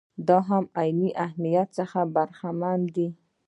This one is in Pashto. دا هم له عیني اهمیت څخه برخمن دي.